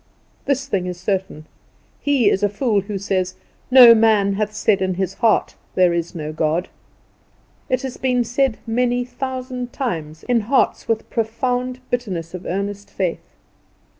This thing is certain he is a fool who says, "No man hath said in his heart, There is no God." It has been said many thousand times in hearts with profound bitterness of earnest faith.